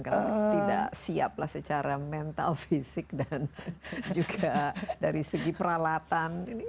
karena tidak siap lah secara mental fisik dan juga dari segi peralatan